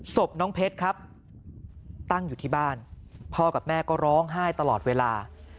ศพน้องเพชรครับตั้งอยู่ที่บ้านพ่อกับแม่ก็ร้องไห้ตลอดเวลา